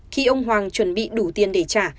khi ông hoàng chuẩn bị đủ tiền để trả